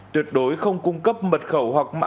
tuyệt đối không cung cấp mật khẩu hoặc mã